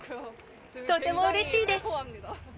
とてもうれしいです。